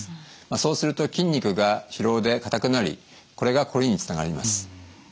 そうすると筋肉が疲労で硬くなりこれがこりにつながります。